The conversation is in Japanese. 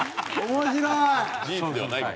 面白い！